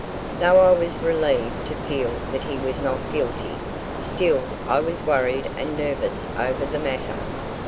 Though I was relieved to feel that he was not guilty, still I was worried and nervous over the matter.